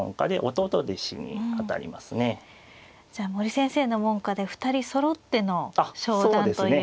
じゃあ森先生の門下で２人そろっての昇段という時が。